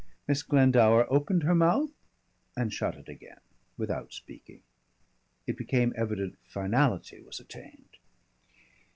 Miss Glendower opened her mouth and shut it again, without speaking. It became evident finality was attained.